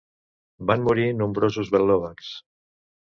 Van morir nombrosos bel·lòvacs.